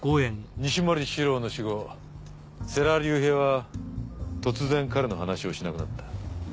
西森史郎の死後世良隆平は突然彼の話をしなくなった。